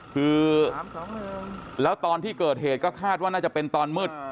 คือแล้วตอนที่เกิดเหตุก็คาดว่าน่าจะเป็นตอนมืด